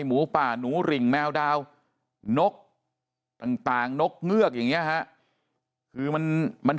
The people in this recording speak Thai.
หมูป่าหนูริ่งแมวดาวนกต่างนกเงือกอย่างนี้ฮะคือมันมัน